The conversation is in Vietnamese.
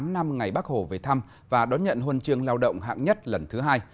năm mươi tám năm ngày bắc hồ về thăm và đón nhận huân trường lao động hạng nhất lần thứ hai